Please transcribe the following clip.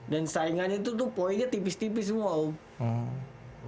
dan saingannya itu tuh poinnya tipis tipis semua om